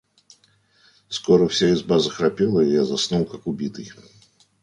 Скоро вся изба захрапела, и я заснул как убитый.